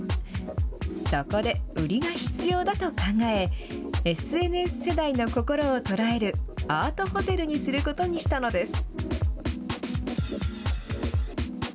そこで、売りが必要だと考え、ＳＮＳ世代の心を捉えるアートホテルにすることにしたのです。